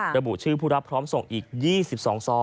ระบุชื่อผู้รับพร้อมส่งอีก๒๒ซอ